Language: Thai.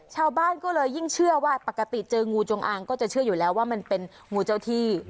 ชาวบ้านก็เลยยิ่งเชื่อว่าปกติเจองูจงอางก็จะเชื่ออยู่แล้วว่ามันเป็นงูเจ้าที่